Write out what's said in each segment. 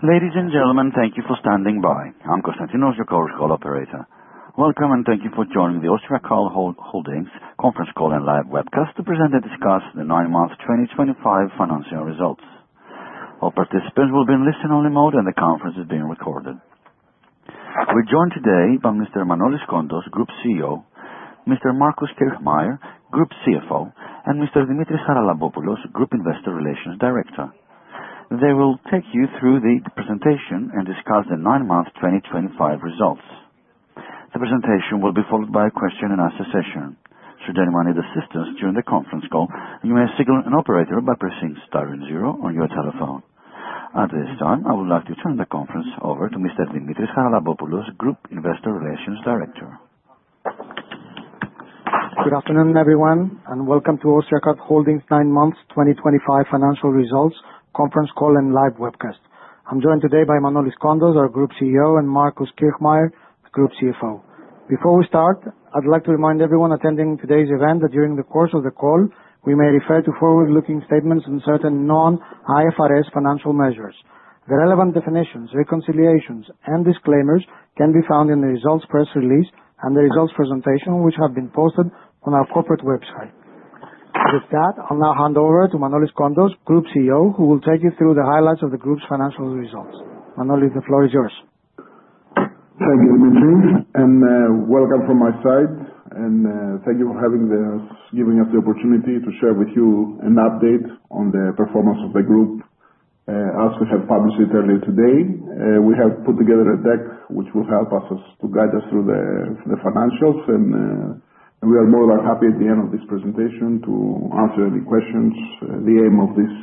Ladies and gentlemen, thank you for standing by. I'm Constantinos, your call operator. Welcome, and thank you for joining the Austriacard Holdings conference call and live webcast to present and discuss the nine-month 2025 financial results. All participants will be in listen only mode, and the conference is being recorded. We're joined today by Mr. Manolis Kontos, Group CEO, Mr. Markus Kirchmayr, Group CFO, and Mr. Dimitris Charalampopoulos, Group Investor Relations Director. They will take you through the presentation and discuss the nine-month 2025 results. The presentation will be followed by a question and answer session. Should anyone need assistance during the conference call, you may signal an operator by pressing star and zero on your telephone. At this time, I would like to turn the conference over to Mr. Dimitris Charalampopoulos, Group Investor Relations Director. Good afternoon, everyone, and welcome to Austriacard Holdings nine months 2025 financial results conference call and live webcast. I'm joined today by Manolis Kontos, our Group CEO, and Markus Kirchmayr, Group CFO. Before we start, I'd like to remind everyone attending today's event that during the course of the call, we may refer to forward-looking statements on certain non-IFRS financial measures. The relevant definitions, reconciliations, and disclaimers can be found in the results press release and the results presentation, which have been posted on our corporate website. With that, I'll now hand over to Manolis Kontos, Group CEO, who will take you through the highlights of the group's financial results. Manolis, the floor is yours. Thank you, Dimitris, welcome from my side. Thank you for giving us the opportunity to share with you an update on the performance of the group, as we have published it earlier today. We have put together a deck which will help to guide us through the financials. We are more than happy at the end of this presentation to answer any questions. The aim of this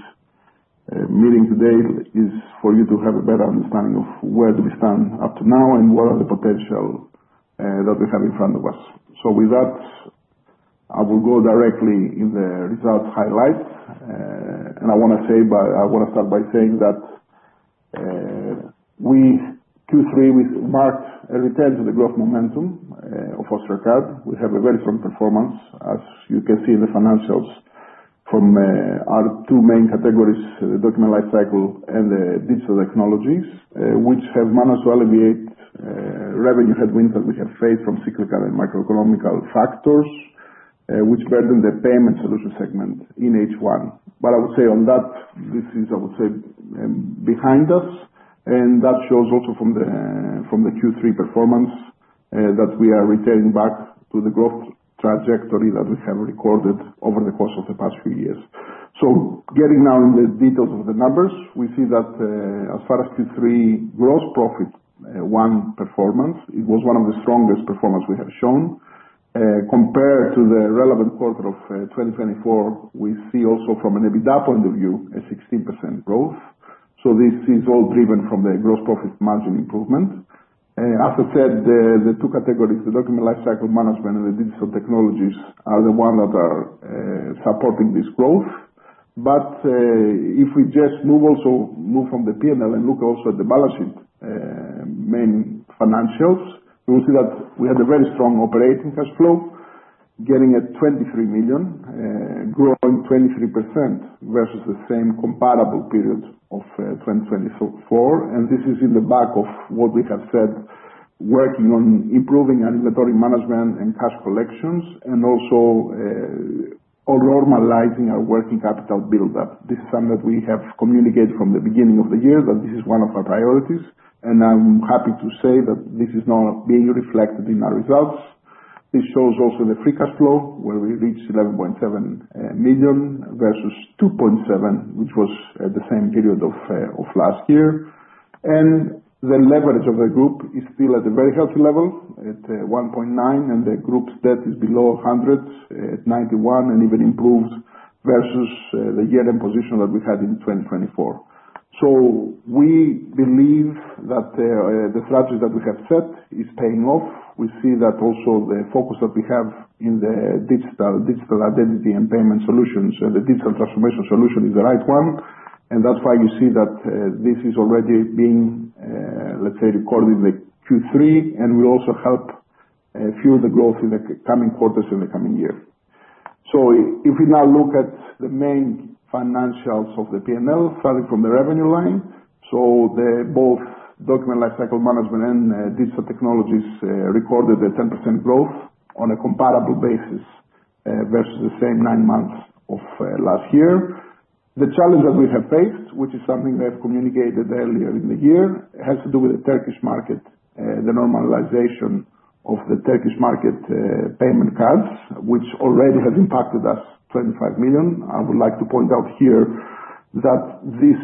meeting today is for you to have a better understanding of where do we stand up to now and what are the potential that we have in front of us. With that, I will go directly in the results highlights. I want to start by saying that Q3 marked a return to the growth momentum of Austriacard. We have a very strong performance, as you can see in the financials from our two main categories, document lifecycle and digital technologies, which have managed to alleviate revenue headwinds that we have faced from cyclical and microeconomic factors, which spread in the payment solution segment in H1. I would say on that, this is behind us, and that shows also from the Q3 performance, that we are returning back to the growth trajectory that we have recorded over the course of the past few years. Getting now in the details of the numbers, we see that, as far as Q3 gross profit, one performance, it was one of the strongest performance we have shown. Compared to the relevant quarter of 2024, we see also from an EBITDA point of view, a 16% growth. This is all driven from the gross profit margin improvement. As I said, the two categories, the document lifecycle management and the digital technologies, are the ones that are supporting this growth. If we just move from the P&L and look also at the balance sheet, main financials, we will see that we had a very strong operating cash flow, getting at 23 million, growing 23% versus the same comparable period of 2024. This is in the back of what we have said, working on improving our inventory management and cash collections and also on normalizing our working capital buildup. This is something that we have communicated from the beginning of the year, that this is one of our priorities, and I'm happy to say that this is now being reflected in our results. This shows also the free cash flow, where we reached 11.7 million versus 2.7, which was at the same period of last year. The leverage of the group is still at a very healthy level at 1.9, the group's debt is below 100, at 91, and even improves versus the year-end position that we had in 2024. We believe that the strategy that we have set is paying off. We see that also the focus that we have in the digital identity and payment solutions or the digital transformation solution is the right one, and that's why you see that this is already being, let's say, recorded in the Q3 and will also help fuel the growth in the coming quarters in the coming year. If we now look at the main financials of the P&L, starting from the revenue line. Both document lifecycle management and digital technologies recorded a 10% growth on a comparable basis, versus the same nine months of last year. The challenge that we have faced, which is something we have communicated earlier in the year, has to do with the Turkish market, the normalization of the Turkish market payment cards, which already have impacted us 25 million. I would like to point out here that this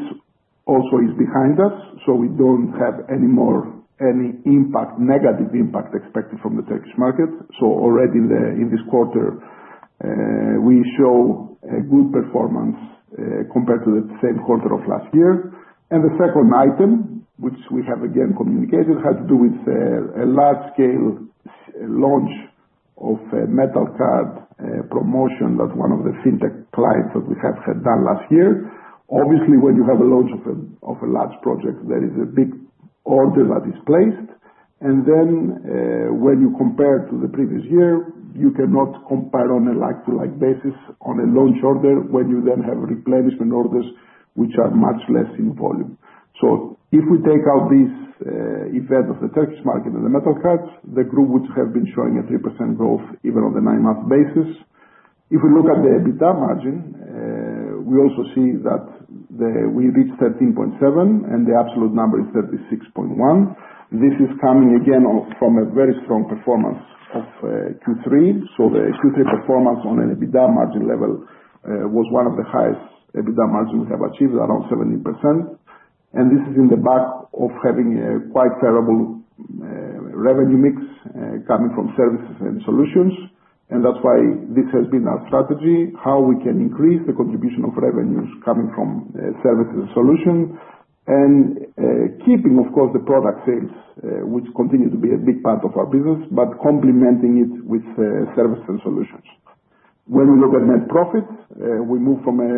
also is behind us, so we don't have any more negative impact expected from the Turkish market. Already in this quarter, we show a good performance compared to the same quarter of last year. The second item, which we have again communicated, has to do with a large scale launch of a metal card promotion that one of the fintech clients that we have had done last year. Obviously, when you have a launch of a large project, there is a big order that is placed. When you compare to the previous year, you cannot compare on a like-to-like basis on a launch order when you then have replenishment orders, which are much less in volume. If we take out this effect of the Turkish market and the metal cards, the group would have been showing a 3% growth even on the nine-month basis. If we look at the EBITDA margin, we also see that we reached 13.7% and the absolute number is 36.1. This is coming again from a very strong performance of Q3. The Q3 performance on an EBITDA margin level was one of the highest EBITDA margins we have achieved around 17%. This is on the back of having a quite terrible revenue mix coming from services and solutions. That's why this has been our strategy, how we can increase the contribution of revenues coming from service and solution and keeping, of course, the product sales, which continue to be a big part of our business, but complementing it with service and solutions. When we look at net profit, we move from a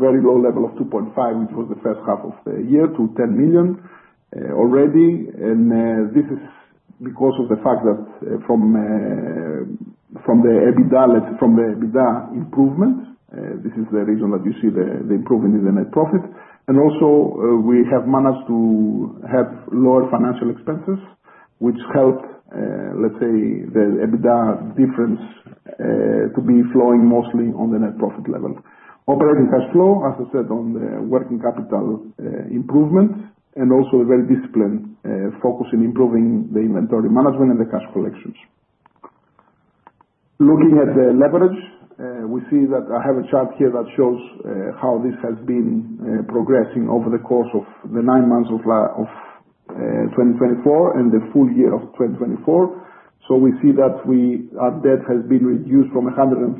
very low level of 2.5 million, which was the first half of the year, to 10 million already. This is because of the fact that from the EBITDA improvement, this is the reason that you see the improvement in the net profit. Also, we have managed to have lower financial expenses, which help, let's say, the EBITDA difference, to be flowing mostly on the net profit level. Operating cash flow, as I said, on the working capital improvement and also a very disciplined focus on improving the inventory management and the cash collections. Looking at the leverage, we see that I have a chart here that shows how this has been progressing over the course of the nine months of 2024 and the full year of 2024. We see that our debt has been reduced from 104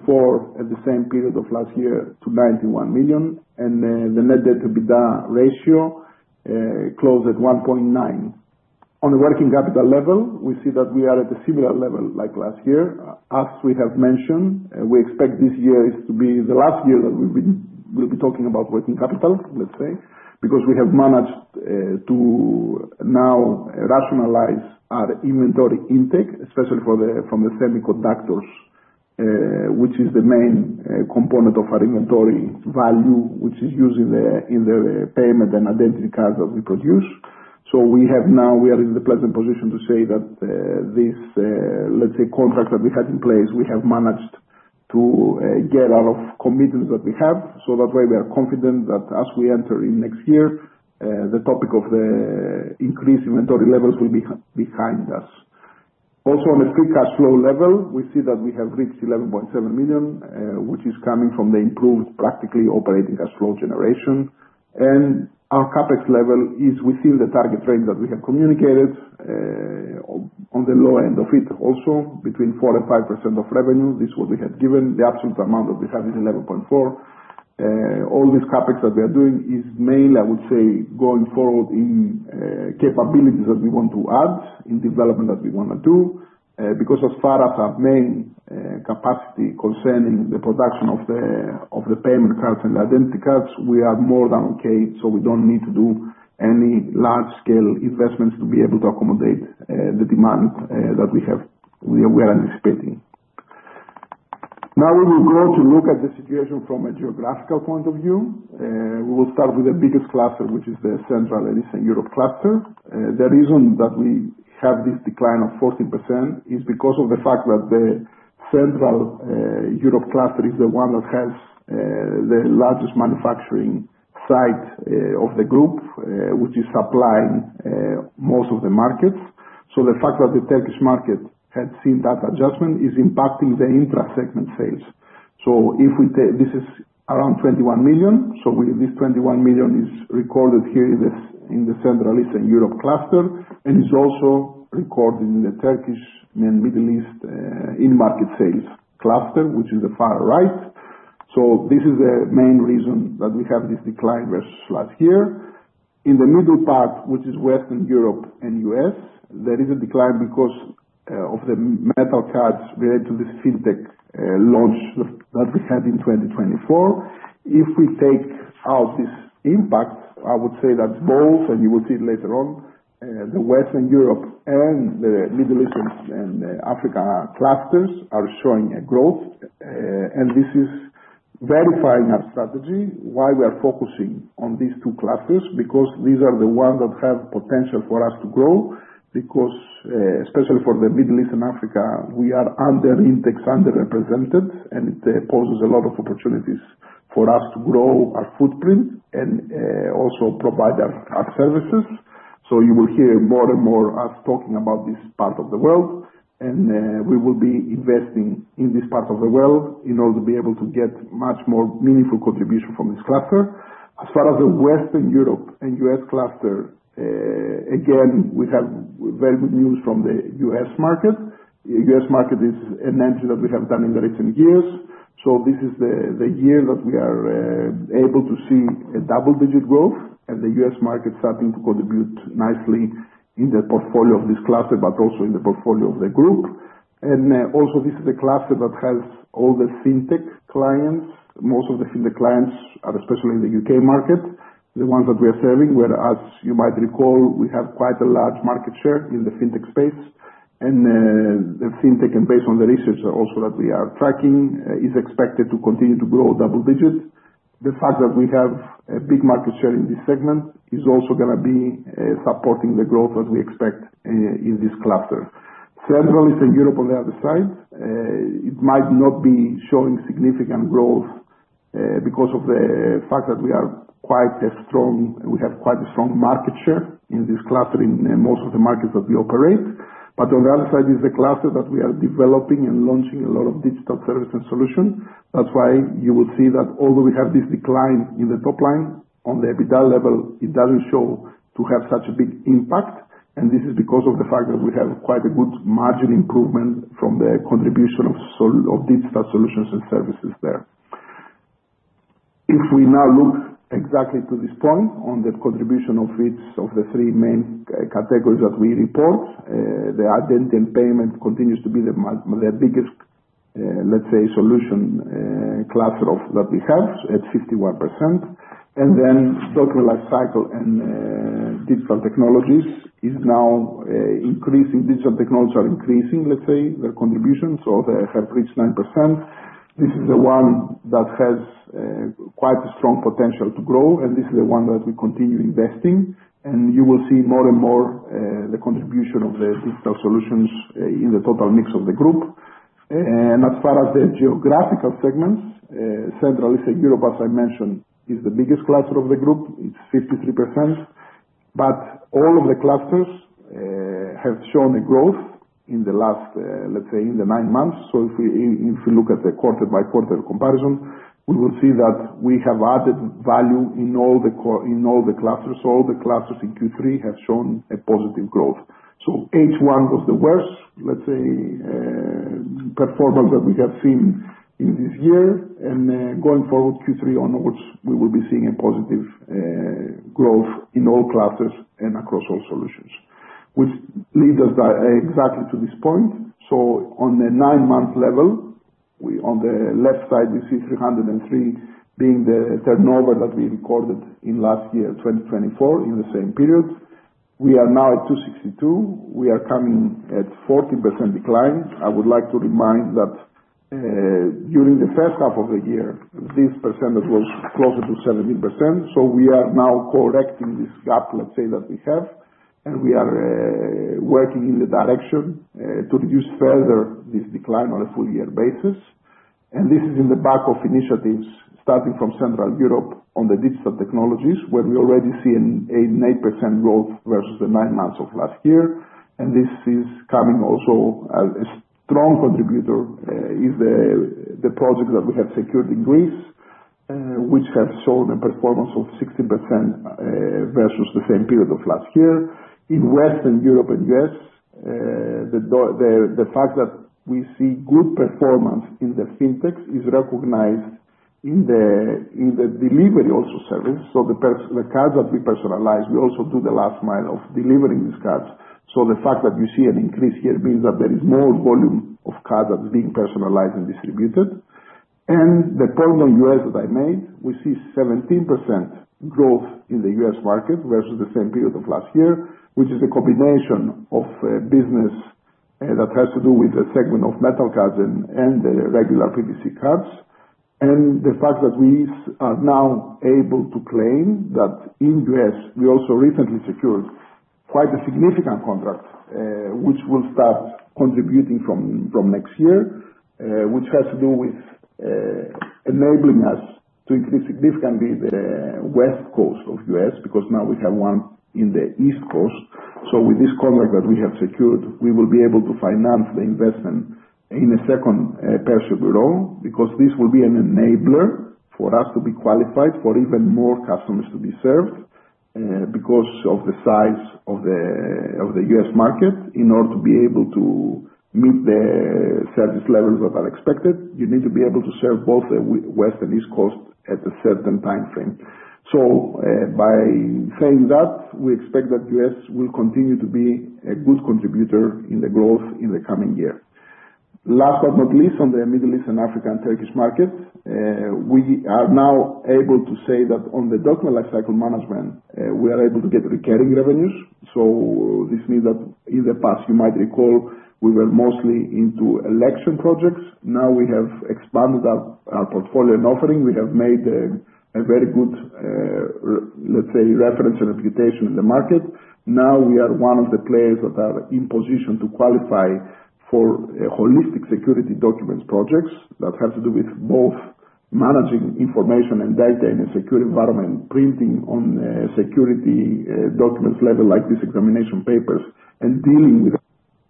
at the same period of last year to 91 million. The net debt to EBITDA ratio closed at 1.9. On the working capital level, we see that we are at a similar level like last year. As we have mentioned, we expect this year is to be the last year that we'll be talking about working capital, let's say, because we have managed to now rationalize our inventory intake, especially from the semiconductors, which is the main component of our inventory value, which is used in the payment and identity cards that we produce. We are in the pleasant position to say that, this, let's say contracts that we had in place, we have managed to get out of commitments that we have. That's why we are confident that as we enter in next year, the topic of the increased inventory levels will be behind us. On a free cash flow level, we see that we have reached 11.7 million, which is coming from the improved practically operating cash flow generation. Our CapEx level is within the target range that we have communicated, on the low end of it, also between 4%-5% of revenue. This is what we have given. The absolute amount that we have is 11.4. All this CapEx that we are doing is mainly, I would say, going forward in capabilities that we want to add, in development that we want to do. Because as far as our main capacity concerning the production of the payment cards and identity cards, we are more than okay. We don't need to do any large-scale investments to be able to accommodate the demand that we are anticipating. Now we will go to look at the situation from a geographical point of view. We will start with the biggest cluster, which is the Central and Eastern Europe cluster. The reason that we have this decline of 14% is because of the fact that the Central Europe cluster is the one that has the largest manufacturing site of the group, which is supplying most of the markets. The fact that the Turkish market had seen that adjustment is impacting the intra-segment sales. This is around 21 million. This 21 million is recorded here in the Central Eastern Europe cluster, and it is also recorded in the Turkish and Middle East, in market sales cluster, which is the far right. This is the main reason that we have this decline versus last year. In the middle part, which is Western Europe and U.S., there is a decline because of the metal cards related to this Fintech launch that we had in 2024. If we take out this impact, I would say that both, and you will see later on, the Western Europe and the Middle East and Africa clusters are showing a growth. This is verifying our strategy, why we are focusing on these two clusters, because these are the ones that have potential for us to grow. Especially for the Middle East and Africa, we are under index, underrepresented, and it poses a lot of opportunities for us to grow our footprint and also provide our services. You will hear more and more us talking about this part of the world. We will be investing in this part of the world in order to be able to get much more meaningful contribution from this cluster. As far as the Western Europe and U.S. cluster, again, we have very good news from the U.S. market. U.S. market is an entry that we have done in the recent years. This is the year that we are able to see a double-digit growth and the U.S. market starting to contribute nicely in the portfolio of this cluster, but also in the portfolio of the group. Also this is the cluster that has all the Fintech clients. Most of the Fintech clients are especially in the U.K. market, the ones that we are serving, where, as you might recall, we have quite a large market share in the Fintech space. The Fintech, and based on the research also that we are tracking, is expected to continue to grow double digits. The fact that we have a big market share in this segment is also going to be supporting the growth as we expect in this cluster. Central Eastern Europe on the other side, it might not be showing significant growth because of the fact that we have quite a strong market share in this cluster in most of the markets that we operate. On the other side is the cluster that we are developing and launching a lot of digital service and solution. That's why you will see that although we have this decline in the top line, on the EBITDA level, it doesn't show to have such a big impact, and this is because of the fact that we have quite a good margin improvement from the contribution of digital solutions and services there. If we now look exactly to this point on the contribution of each of the three main categories that we report, the identity and payment continues to be the biggest solution cluster that we have, at 51%. Document lifecycle and digital technologies are now increasing. Digital technologies are increasing, let's say, their contributions, so they have reached 9%. This is the one that has quite a strong potential to grow, and this is the one that we continue investing. You will see more and more, the contribution of the digital solutions in the total mix of the group. As far as the geographical segments, Central Eastern Europe, as I mentioned, is the biggest cluster of the group. It's 53%. All of the clusters have shown a growth in the last nine months. If you look at the quarter-by-quarter comparison, we will see that we have added value in all the clusters. All the clusters in Q3 have shown a positive growth. H1 was the worst performance that we have seen in this year. Going forward, Q3 onwards, we will be seeing a positive growth in all clusters and across all solutions, which lead us exactly to this point. On the nine-month level, on the left side, we see 303 being the turnover that we recorded in last year, 2024, in the same period. We are now at 262. We are coming at 14% decline. I would like to remind that during the first half of the year, this percentage was closer to 17%. We are now correcting this gap, let's say, that we have. We are working in the direction to reduce further this decline on a full year basis. This is in the back of initiatives starting from Central Europe on the digital technologies, where we already see an 8% growth versus the nine months of last year. This is coming also as a strong contributor in the project that we have secured in Greece, which have shown a performance of 16% versus the same period of last year. In Western Europe and U.S., the fact that we see good performance in the Fintech is recognized in the delivery also service. The cards that we personalize, we also do the last mile of delivering these cards. The fact that you see an increase here means that there is more volume of cards that are being personalized and distributed. The point on U.S. that I made, we see 17% growth in the U.S. market versus the same period of last year, which is a combination of business that has to do with the segment of metal cards and the regular PVC cards. The fact that we are now able to claim that in U.S., we also recently secured quite a significant contract, which will start contributing from next year, which has to do with enabling us to increase significantly the West Coast of U.S., because now we have 1 in the East Coast. With this contract that we have secured, we will be able to finance the investment in a second perso bureau, because this will be an enabler for us to be qualified for even more customers to be served, because of the size of the U.S. market. In order to be able to meet the service levels that are expected, you need to be able to serve both the West and East Coast at a certain timeframe. By saying that, we expect that U.S. will continue to be a good contributor in the growth in the coming year. Last but not least, on the Middle East and African Turkish market, we are now able to say that on the document lifecycle management, we are able to get recurring revenues. This means that in the past, you might recall, we were mostly into election projects. Now we have expanded our portfolio and offering. We have made a very good, let's say, reference and reputation in the market. Now we are one of the players that are in position to qualify for holistic security documents projects that have to do with both managing information and data in a secure environment, printing on security documents level, like these examination papers, and dealing with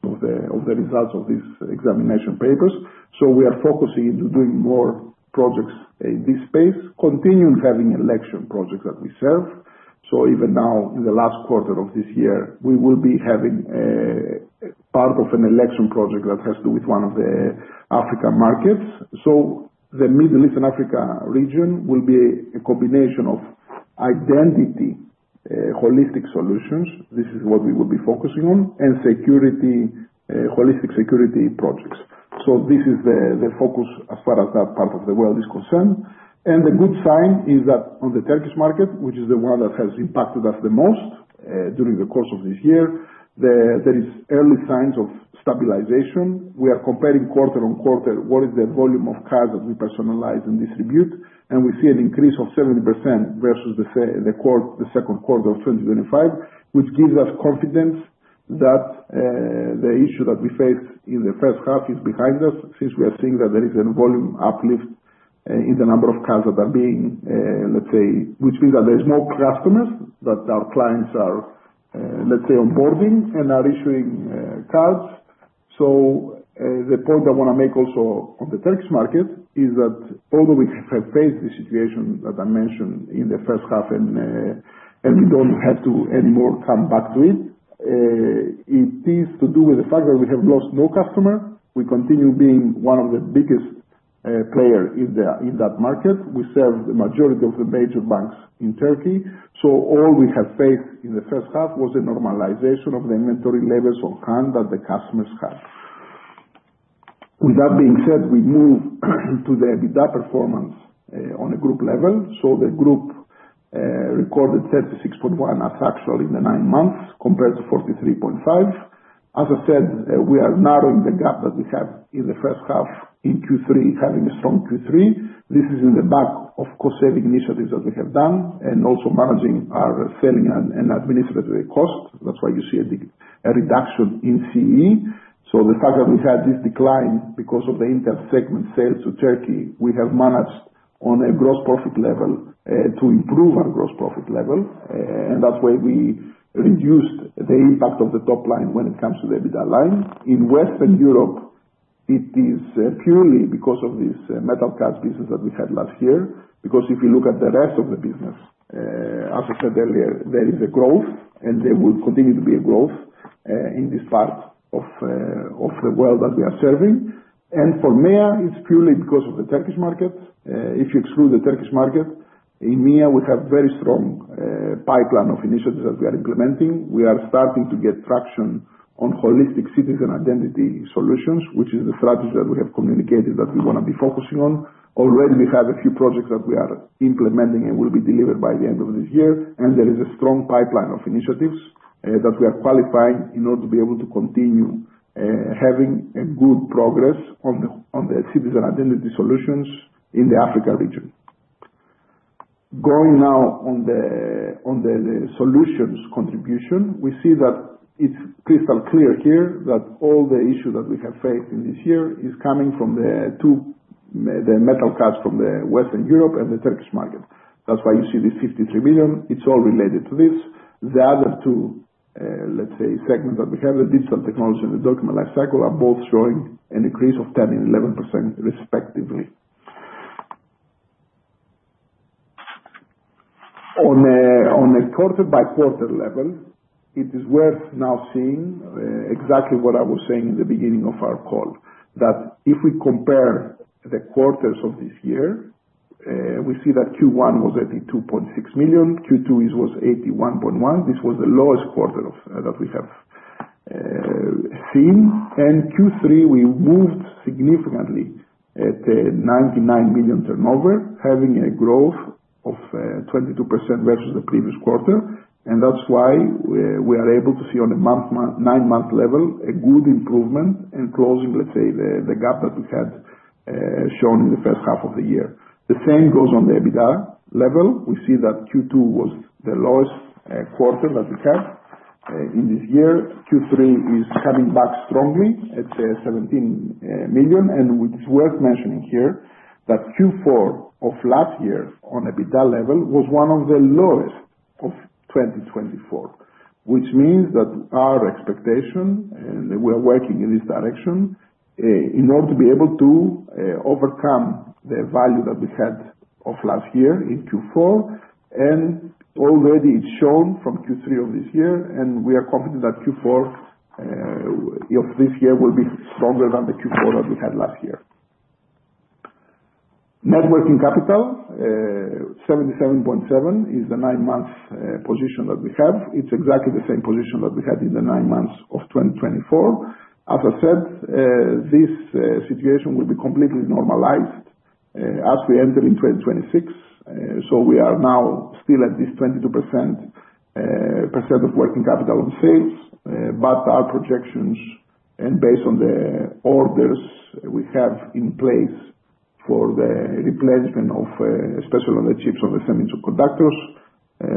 of the results of these examination papers. We are focusing into doing more projects in this space, continuing having election projects that we serve. Even now, in the last quarter of this year, we will be having part of an election project that has to do with one of the Africa markets. The Middle East and Africa region will be a combination of identity holistic solutions, this is what we will be focusing on, and holistic security projects. This is the focus as far as that part of the world is concerned. The good sign is that on the Turkish market, which is the one that has impacted us the most, during the course of this year, there is early signs of stabilization. We are comparing quarter-on-quarter, what is the volume of cards that we personalize and distribute, and we see an increase of 70% versus the second quarter of 2025, which gives us confidence that the issue that we faced in the first half is behind us, since we are seeing that there is a volume uplift in the number of cards that are being, let's say, which means that there is more customers, that our clients are, let's say, onboarding and are issuing cards. The point I want to make also on the Turkish market is that although we have faced this situation, as I mentioned in the first half and we don't have to anymore come back to it is to do with the fact that we have lost no customer. We continue being one of the biggest player in that market. We serve the majority of the major banks in Turkey. All we have faced in the first half was a normalization of the inventory levels on hand that the customers have. With that being said, we move to the EBITDA performance on a group level. The group recorded 36.1 as actual in the nine months compared to 43.5. As I said, we are narrowing the gap that we have in the first half in Q3, having a strong Q3. This is in the back of cost saving initiatives that we have done and also managing our selling and administrative cost. That's why you see a reduction in CE. The fact that we had this decline, because of the intersegment sales to Turkey, we have managed on a gross profit level, to improve our gross profit level. That's why we reduced the impact of the top line when it comes to the EBITDA line. In Western Europe, it is purely because of this metal cards business that we had last year. If you look at the rest of the business, as I said earlier, there is a growth and there will continue to be a growth in this part of the world that we are serving. For MEA, it's purely because of the Turkish market. If you exclude the Turkish market, in MEA, we have very strong pipeline of initiatives that we are implementing. We are starting to get traction on holistic citizen identity solutions, which is the strategy that we have communicated that we want to be focusing on. Already, we have a few projects that we are implementing and will be delivered by the end of this year. There is a strong pipeline of initiatives that we are qualifying in order to be able to continue having a good progress on the citizen identity solutions in the Africa region. Going now on the solutions contribution, we see that it's crystal clear here that all the issue that we have faced in this year is coming from the two, the metal cards from the Western Europe and the Turkish market. That's why you see this 53 million. It's all related to this. The other two, let's say segments that we have, the digital technology and the document lifecycle are both showing an increase of 10% and 11% respectively. On a quarter-by-quarter level, it is worth now seeing exactly what I was saying in the beginning of our call. That if we compare the quarters of this year, we see that Q1 was 82.6 million, Q2 was 81.1 million. This was the lowest quarter that we have seen. Q3, we moved significantly at 99 million turnover, having a growth of 22% versus the previous quarter. That's why we are able to see on a nine-month level, a good improvement in closing, let's say, the gap that we had shown in the first half of the year. The same goes on the EBITDA level. We see that Q2 was the lowest quarter that we had in this year. Q3 is coming back strongly at 17 million, which is worth mentioning here that Q4 of last year on EBITDA level was one of the lowest of 2024. Which means that our expectation, and we are working in this direction, in order to be able to overcome the value that we had of last year in Q4, and already it's shown from Q3 of this year, and we are confident that Q4 of this year will be stronger than the Q4 that we had last year. Net working capital, 77.7 is the nine months position that we have. It's exactly the same position that we had in the nine months of 2024. As I said, this situation will be completely normalized as we enter in 2026. We are now still at this 22% of working capital on sales. Our projections and based on the orders we have in place for the replacement of, especially on the chips, on the semiconductors,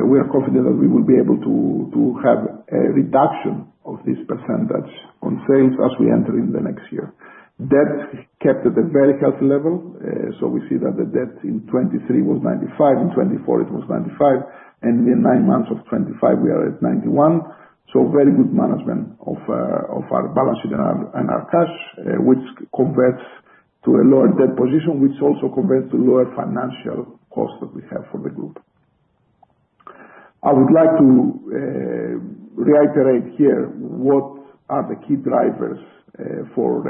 we are confident that we will be able to have a reduction of this percentage on sales as we enter in the next year. Debt kept at a very healthy level. We see that the debt in 2023 was 95, in 2024 it was 95, and in nine months of 2025, we are at 91. Very good management of our balance sheet and our cash, which converts to a lower debt position, which also converts to lower financial cost that we have for the group. I would like to reiterate here what are the key drivers for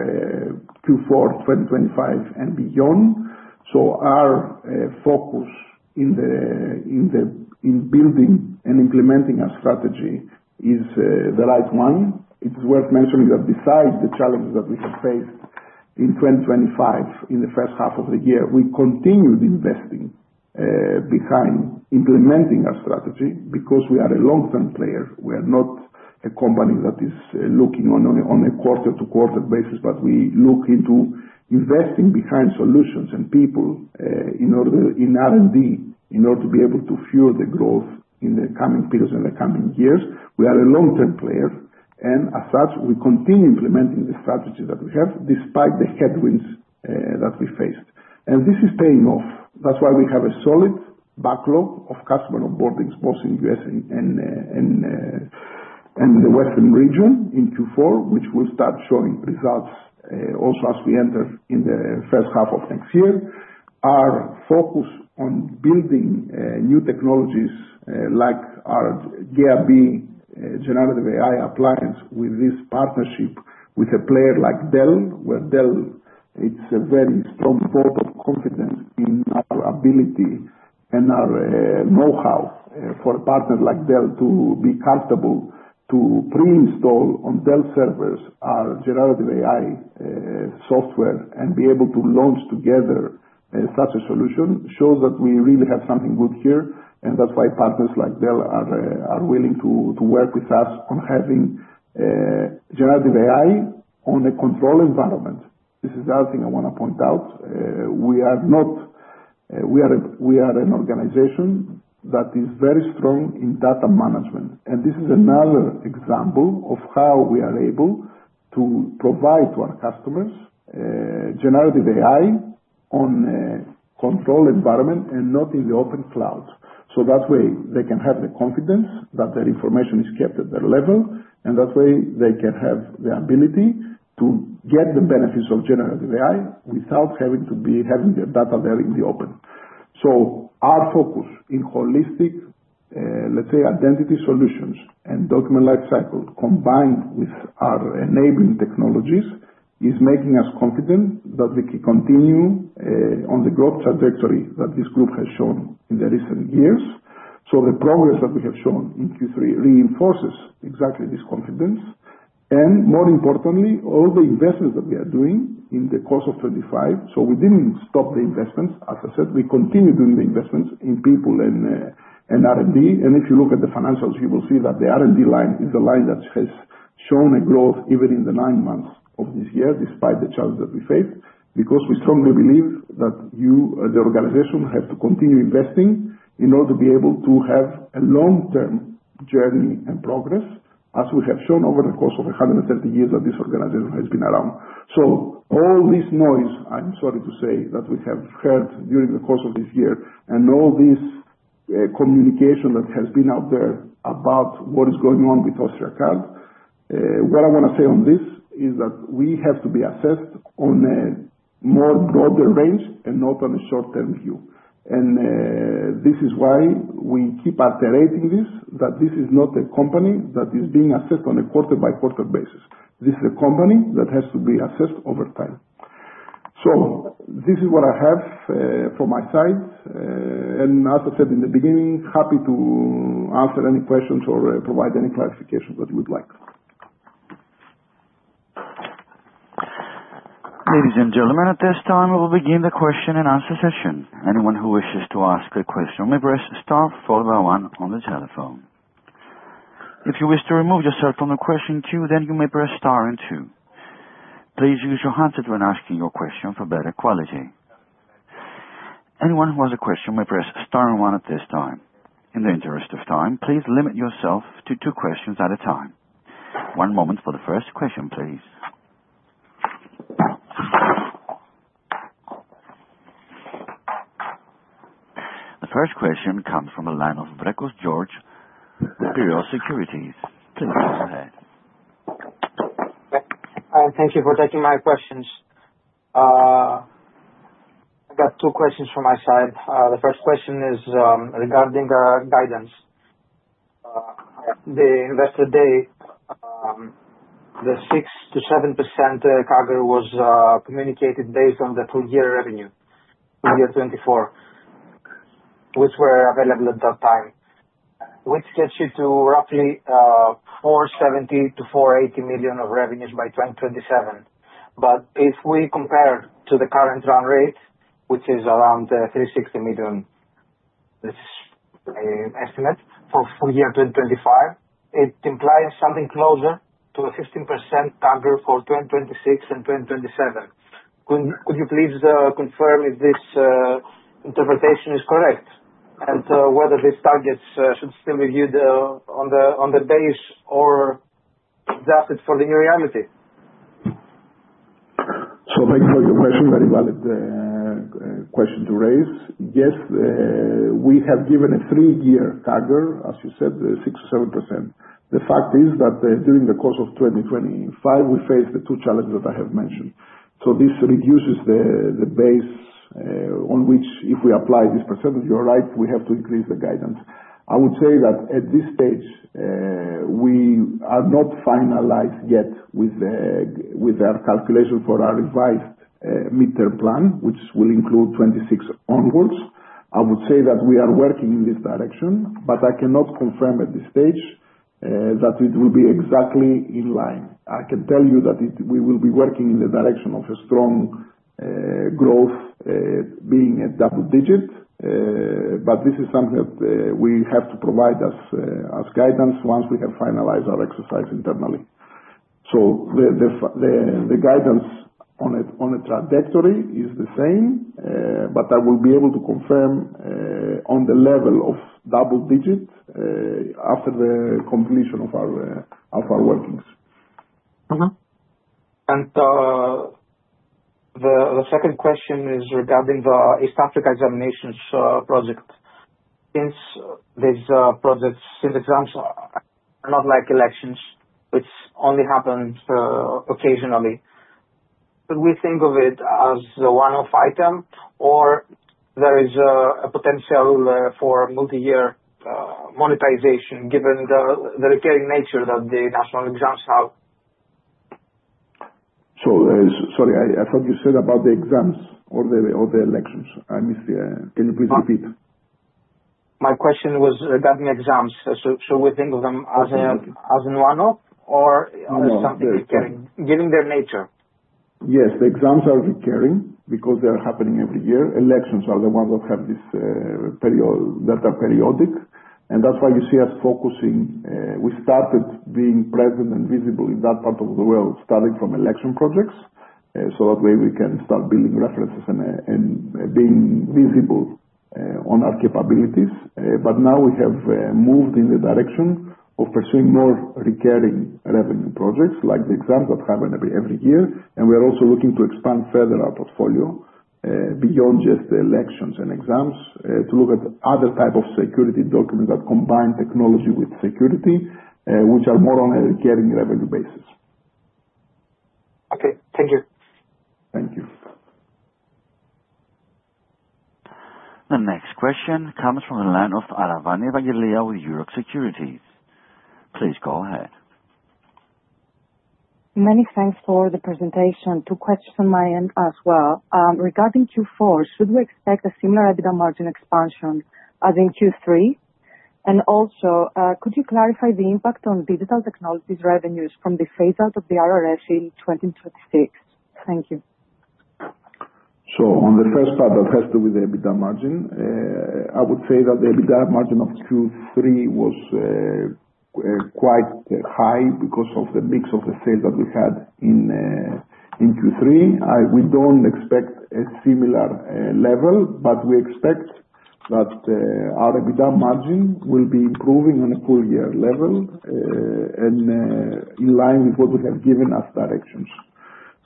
Q4 2025 and beyond. Our focus in building and implementing our strategy is the right one. It's worth mentioning that besides the challenges that we have faced. In 2025, in the first half of the year, we continued investing behind implementing our strategy because we are a long-term player. We are not a company that is looking on a quarter-to-quarter basis, but we look into investing behind solutions and people in R&D, in order to be able to fuel the growth in the coming periods, in the coming years. We are a long-term player, as such, we continue implementing the strategy that we have, despite the headwinds that we faced. This is paying off. That's why we have a solid backlog of customer onboardings, both in U.S. and the Western region in Q4, which will start showing results also as we enter in the first half of next year. Our focus on building new technologies, like our GAB, Generative AI appliance, with this partnership with a player like Dell. With Dell, it's a very strong vote of confidence in our ability and our know-how. For a partner like Dell to be comfortable to pre-install on Dell servers our Generative AI software and be able to launch together such a solution shows that we really have something good here. That's why partners like Dell are willing to work with us on having Generative AI on a controlled environment. This is the other thing I want to point out. We are an organization that is very strong in data management. This is another example of how we are able to provide to our customers Generative AI on a controlled environment and not in the open cloud. That way, they can have the confidence that their information is kept at their level, and that way they can have the ability to get the benefits of Generative AI without having their data there in the open. Our focus in holistic, let's say, identity solutions and document lifecycle, combined with our enabling technologies, is making us confident that we can continue on the growth trajectory that this group has shown in the recent years. The progress that we have shown in Q3 reinforces exactly this confidence, and more importantly, all the investments that we are doing in the course of 2025. We didn't stop the investments. As I said, we continued doing the investments in people and R&D. If you look at the financials, you will see that the R&D line is a line that has shown a growth even in the nine months of this year, despite the challenge that we faced, because we strongly believe that you, as the organization, have to continue investing in order to be able to have a long-term journey and progress, as we have shown over the course of 130 years that this organization has been around. All this noise, I'm sorry to say, that we have heard during the course of this year and all this communication that has been out there about what is going on with Austriacard, what I want to say on this is that we have to be assessed on a more broader range and not on a short-term view. This is why we keep reiterating this, that this is not a company that is being assessed on a quarter-by-quarter basis. This is a company that has to be assessed over time. This is what I have from my side, and as I said in the beginning, happy to answer any questions or provide any clarification that you would like. Ladies and gentlemen, at this time, we will begin the question and answer session. Anyone who wishes to ask a question, may press star followed by one on the telephone. If you wish to remove yourself from the question queue, then you may press star and two. Please use your handset when asking your question for better quality. Anyone who has a question may press star and one at this time. In the interest of time, please limit yourself to two questions at a time. One moment for the first question, please. The first question comes from the line of George Brekos, Imperial Securities. Please go ahead. Thank you for taking my questions. I got two questions from my side. The first question is regarding guidance. The investor day, the 6%-7% CAGR was communicated based on the full year revenue, full year 2024, which were available at that time. Which gets you to roughly 470 million-480 million of revenues by 2027. If we compare to the current run rate, which is around 360 million, this estimate for full year 2025, it implies something closer to a 15% target for 2026 and 2027. Could you please confirm if this interpretation is correct and whether these targets should still be viewed on the base or adjusted for the new reality? Thank you for your question. Very valid question to raise. Yes, we have given a three-year target, as you said, 6%-7%. The fact is that during the course of 2025, we faced the two challenges that I have mentioned. This reduces the base on which if we apply this percentage, you're right, we have to increase the guidance. I would say that at this stage, we are not finalized yet with our calculation for our revised mid-term plan, which will include 2026 onwards. I would say that we are working in this direction, but I cannot confirm at this stage that it will be exactly in line. I can tell you that we will be working in the direction of a strong growth being at double digits, but this is something that we have to provide as guidance once we have finalized our exercise internally. The guidance on a trajectory is the same, but I will be able to confirm on the level of double digits after the completion of our workings. The second question is regarding the East Africa examinations project. Since exams are not like elections, which only happens occasionally. Could we think of it as the one-off item or there is a potential for multi-year monetization given the recurring nature that the national exams have? Sorry, I thought you said about the exams or the elections. I missed. Can you please repeat? My question was regarding exams. Should we think of them as a one-off or as something recurring, given their nature? Yes, the exams are recurring because they're happening every year. Elections are the ones that are periodic, and that's why you see us focusing. We started being present and visible in that part of the world, starting from election projects, so that way we can start building references and being visible on our capabilities. Now we have moved in the direction of pursuing more recurring revenue projects like the exams that happen every year. We are also looking to expand further our portfolio, beyond just the elections and exams, to look at other type of security documents that combine technology with security, which are more on a recurring revenue basis. Okay. Thank you. Thank you. The next question comes from the line of Aravani [Alio] with Euroxx Securities. Please go ahead. Many thanks for the presentation. Two questions on my end as well. Regarding Q4, should we expect a similar EBITDA margin expansion as in Q3? Also, could you clarify the impact on digital technologies revenues from the phase out of the RRF in 2026? Thank you. On the first part that has to do with the EBITDA margin, I would say that the EBITDA margin of Q3 was quite high because of the mix of the sales that we had in Q3. We don't expect a similar level, but we expect that our EBITDA margin will be improving on a full year level, and in line with what we have given as directions.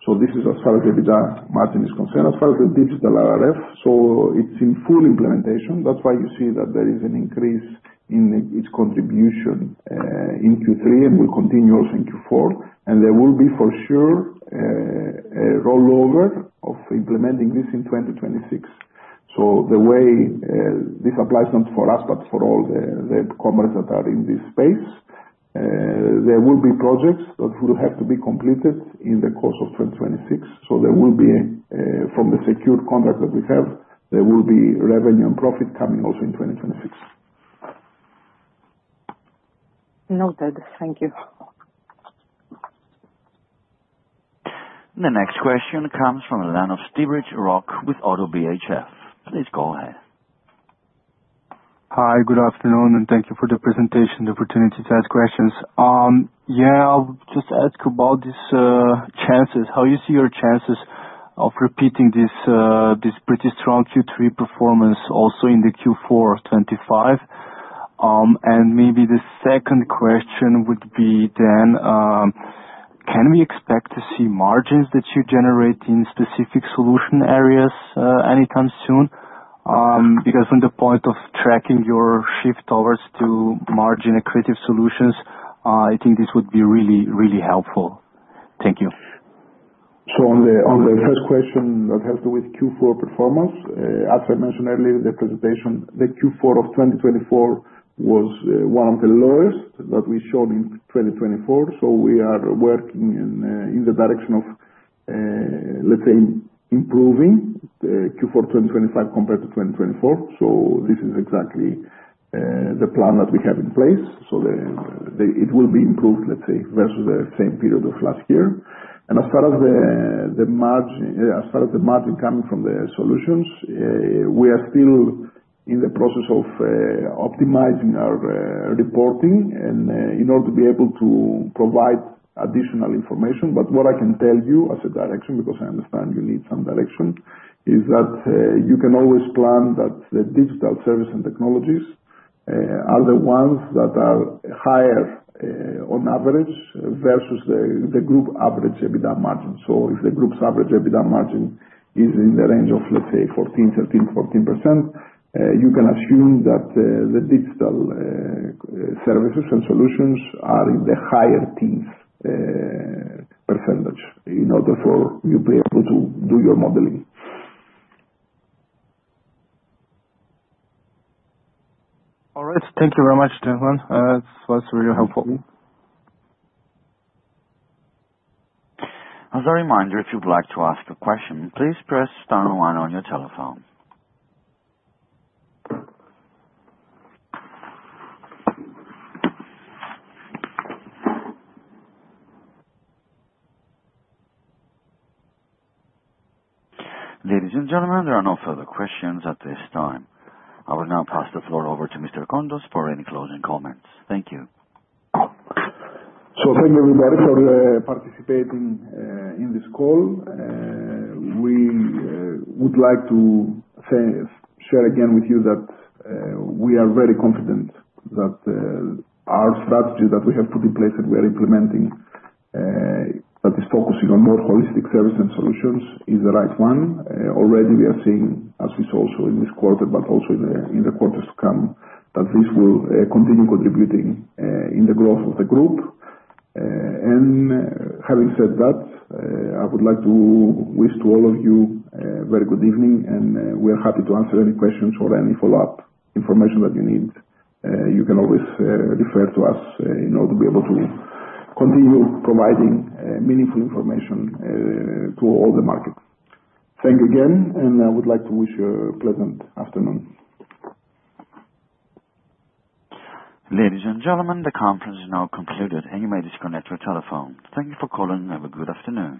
This is as far as EBITDA margin is concerned. As far as the digital RRF, it's in full implementation. That's why you see that there is an increase in its contribution, in Q3 and will continue also in Q4. There will be for sure, a rollover of implementing this in 2026. The way this applies not for us, but for all the companies that are in this space. There will be projects that will have to be completed in the course of 2026. There will be, from the secured contract that we have, there will be revenue and profit coming also in 2026. Noted. Thank you. The next question comes from the line of Rok Stibric with Oddo BHF. Please go ahead. Hi, good afternoon, and thank you for the presentation, the opportunity to ask questions. I'll just ask about these chances. How you see your chances of repeating this pretty strong Q3 performance also in the Q4 of 2025? Maybe the second question would be then, can we expect to see margins that you generate in specific solution areas, anytime soon? From the point of tracking your shift towards to margin accretive solutions, I think this would be really, really helpful. Thank you. On the first question that has to do with Q4 performance, as I mentioned earlier in the presentation, the Q4 of 2024 was one of the lowest that we showed in 2024. We are working in the direction of, let's say, improving the Q4 2025 compared to 2024. This is exactly the plan that we have in place. It will be improved, let's say, versus the same period of last year. As far as the margin coming from the solutions, we are still in the process of optimizing our reporting and in order to be able to provide additional information. What I can tell you as a direction, because I understand you need some direction, is that you can always plan that the digital service and technologies are the ones that are higher on average versus the group average EBITDA margin. If the group's average EBITDA margin is in the range of, let's say, 14%, 13%, 14%, you can assume that the digital services and solutions are in the higher teens percentage in order for you be able to do your modeling. All right. Thank you very much, gentlemen. That was really helpful. As a reminder, if you'd like to ask a question, please press star one on your telephone. Ladies and gentlemen, there are no further questions at this time. I will now pass the floor over to Mr. Kontos for any closing comments. Thank you. Thank you everybody for participating in this call. We would like to share again with you that we are very confident that our strategy that we have put in place and we are implementing, that is focusing on more holistic service and solutions, is the right one. Already we are seeing, as we saw also in this quarter, but also in the quarters to come, that this will continue contributing in the growth of the group. Having said that, I would like to wish to all of you a very good evening, and we are happy to answer any questions or any follow-up information that you need. You can always refer to us in order to be able to continue providing meaningful information to all the markets. Thank you again, and I would like to wish you a pleasant afternoon. Ladies and gentlemen, the conference is now concluded and you may disconnect your telephone. Thank you for calling. Have a good afternoon.